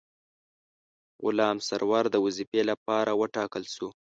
غلام سرور د وظیفې لپاره وټاکل شو.